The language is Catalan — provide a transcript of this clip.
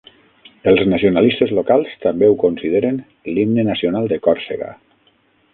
Els nacionalistes locals també ho consideren l'himne nacional de Còrsega.